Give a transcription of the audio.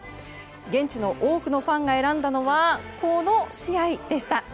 現地の多くのファンが選んだのはこの試合でした。